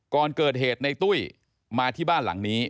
ก่อนเกิดเหตุในตุ้ยมาที่บ้านหลังนี้